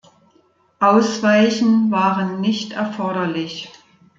Ausweichen waren nicht erforderlich.